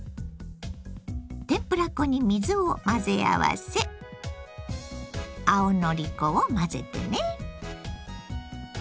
天ぷら粉に水を混ぜ合わせ青のり粉を混ぜてね。